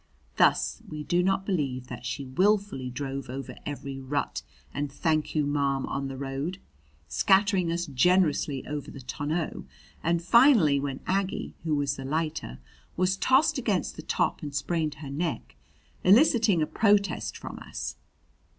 Thus we do not believe that she willfully drove over every rut and thank you ma'am on the road, scattering us generously over the tonneau, and finally, when Aggie, who was the lighter, was tossed against the top and sprained her neck, eliciting a protest from us.